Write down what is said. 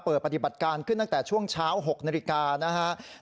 ปฏิบัติการขึ้นตั้งแต่ช่วงเช้า๖นาฬิกานะครับ